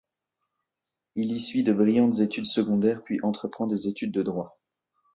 Il y suit de brillantes études secondaires, puis entreprend des études de droit.